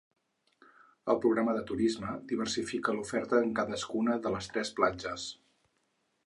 El programa de turisme diversifica l’oferta en cadascuna de les tres platges.